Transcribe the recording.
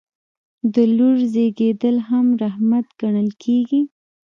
د لور زیږیدل هم رحمت ګڼل کیږي.